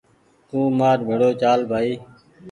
تو مآر بهڙو چال بهائي